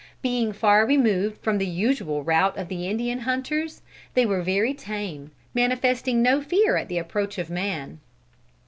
Being far removed from the usual route of the Indian hunters, they were very tame, manifesting no fear at the approach of man.